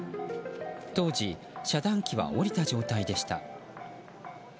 当時、遮断機は下りた状態でした。